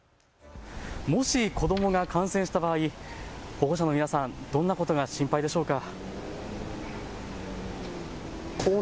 もし子どもが感染した場合、保護者の皆さん、どんなことが心配でしょうか。